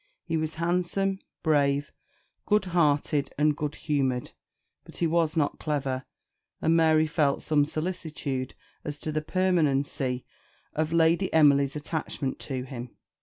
He was handsome, brave, good hearted, and good humoured, but he was not clever; and Mary felt some solicitude as to the permanency of of Lady Emily's attachment to him.